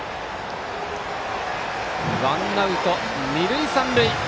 ワンアウト、二塁、三塁。